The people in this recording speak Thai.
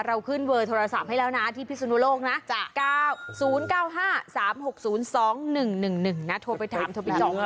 เราขึ้นเบอร์โทรศัพท์ให้แล้วนะที่พิศนุโลกนะ๙๐๙๕๓๖๐๒๑๑๑นะโทรไปถามโทรไปจอง